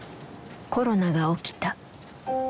コロナが起きた。